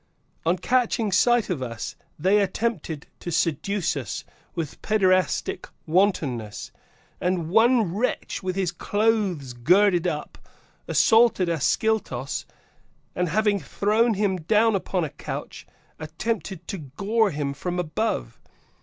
(On catching sight of us, they attempted to seduce us with paederastic wantonness, and one wretch, with his clothes girded up, assaulted Ascyltos, and, having thrown him down upon a couch, attempted to gore him from above.